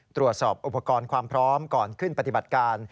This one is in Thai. ตรวจสอบอุปกรณ์ความพร้อมก่อนขึ้นปฏิบัติการ